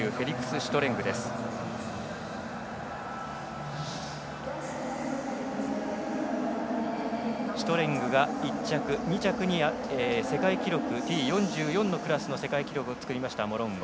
シュトレングが１着２着にはＴ４４のクラスの世界記録を作りましたモロンゴ。